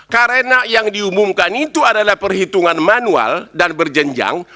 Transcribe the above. karena yang diumumkan itu adalah perhitungan manual dan berjenjang